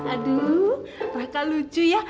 aduh raka lucu ya